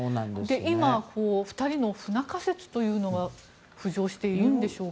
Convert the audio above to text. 今、２人の不仲説は浮上しているんでしょうか？